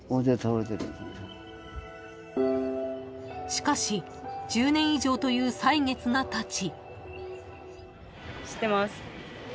［しかし１０年以上という歳月がたち］